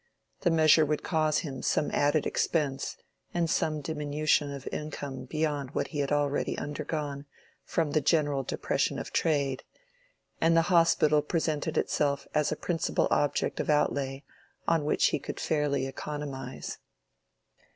The measure would cause him some added expense and some diminution of income beyond what he had already undergone from the general depression of trade; and the Hospital presented itself as a principal object of outlay on which he could fairly economize.